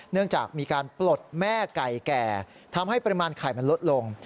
เนื่องจากมีการปลดแม่ไก่แก่ทำให้ปริมาณไข่มันลดลง